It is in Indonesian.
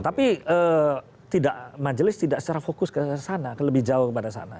tapi majelis tidak secara fokus ke sana lebih jauh kepada sana